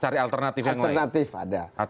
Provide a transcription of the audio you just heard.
cari alternatif yang lain